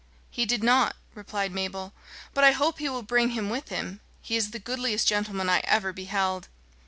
"He did not," replied Mabel; "but I hope he will bring him with him. He is the goodliest gentleman I ever beheld."